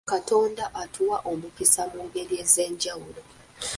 Katonda atuwa omukisa mu ngeri ez'enjawulo.